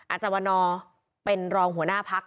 อาจารย์วันนอร์เป็นรองหัวหน้าพัก